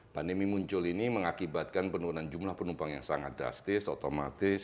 pandemi muncul ini mengakibatkan penurunan jumlah penumpang yang sangat drastis otomatis